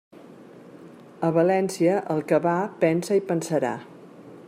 A València, el que va, pensa i pensarà.